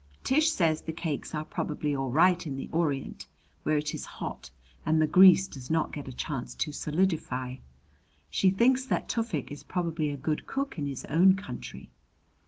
Tish says the cakes are probably all right in the Orient, where it is hot and the grease does not get a chance to solidify. She thinks that Tufik is probably a good cook in his own country.